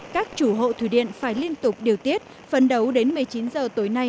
các chủ hộ thủy điện phải liên tục điều tiết phân đấu đến một mươi chín h tối nay